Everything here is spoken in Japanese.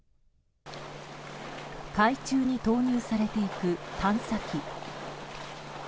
海中に投入されていく探査機。